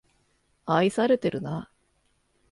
愛されてるな